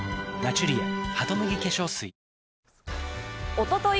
おととい